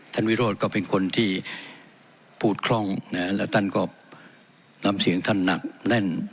วิโรธก็เป็นคนที่พูดคล่องแล้วท่านก็น้ำเสียงท่านหนักแน่น